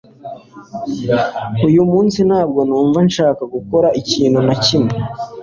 Uyu munsi ntabwo numva nshaka gukora ikintu na kimwe